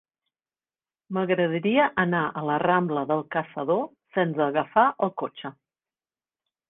M'agradaria anar a la rambla del Caçador sense agafar el cotxe.